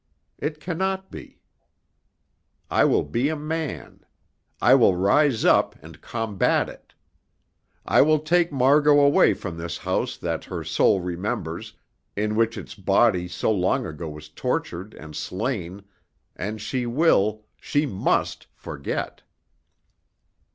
It cannot be. I will be a man. I will rise up and combat it. I will take Margot away from this house that her soul remembers, in which its body so long ago was tortured and slain, and she will she must forget.